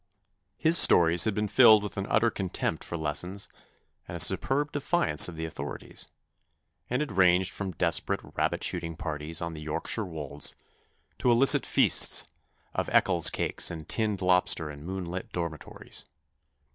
His stories had been filled with an utter contempt for lessons and a superb defiance of the authorities, and had ranged from desperate rabbit shooting parties on the Yorkshire Wolds to illicit feasts of Eccles cakes and tinned lobster in moonlit dormitories.